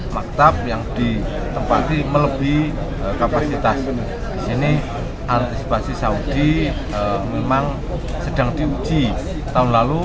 maktab yang ditempati melebihi kapasitas di sini antisipasi saudi memang sedang diuji tahun lalu